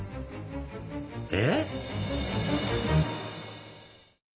え